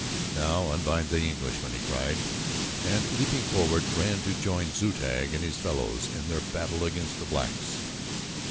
"Now unbind the Englishman," he cried, and, leaping forward, ran to join Zu tag and his fellows in their battle against the blacks.